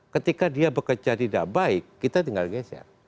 ketika dia bekerja tidak baik kita tinggal geser